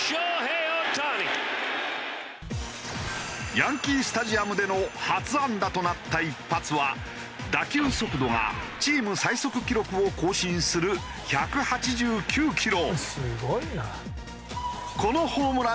ヤンキースタジアムでの初安打となった一発は打球速度がチーム最速記録を更新する１８９キロ。